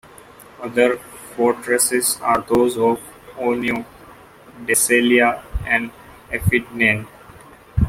Other fortresses are those of Oenoe, Decelea and Aphidnae.